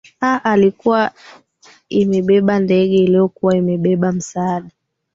aa iliyokuwa imebeba ndege iliyokuwa imebaba misaada